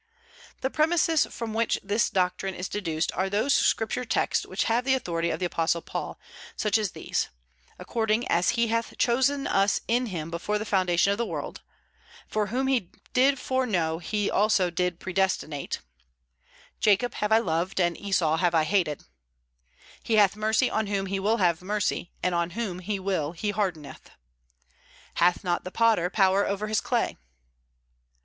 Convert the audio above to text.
The premises from which this doctrine is deduced are those Scripture texts which have the authority of the Apostle Paul, such as these: "According as he hath chosen us in him before the foundation of the world;" "For whom he did foreknow he also did predestinate;" "Jacob have I loved and Esau have I hated;" "He hath mercy on whom he will have mercy, and whom he will he hardeneth;" "Hath not the potter power over his clay?"